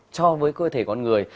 cho với cơ thể con người